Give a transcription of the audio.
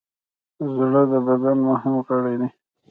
زړه د بدن مهم غړی دی.